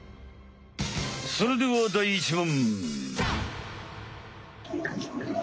それでは第１問！